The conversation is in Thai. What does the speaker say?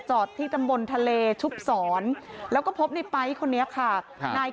จอดที่ตำบลทะเลชุบสอนแล้วก็พบในไป๊คนนี้ค่ะนาย